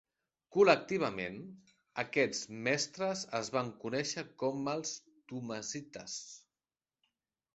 Col·lectivament, aquests mestres es van conèixer com els Thomasites.